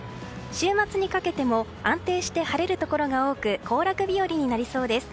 週末にかけても安定して晴れるところが多く行楽日和になりそうです。